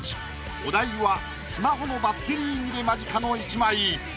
お題はスマホの「バッテリー切れ間近」の一枚。